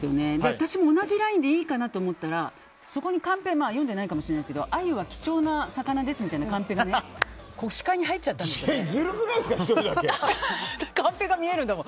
私も同じラインでいいかなと思ったらそこにカンペ読んでないかもしれないけど鮎は希少な魚ですみたいなカンペがずるくないですか、１人だけ。